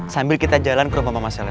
sambil kita jalan ke rumah mama selep